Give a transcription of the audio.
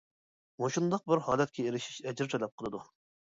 مۇشۇنداق بىر ھالەتكە ئېرىشىش ئەجىر تەلەپ قىلىدۇ.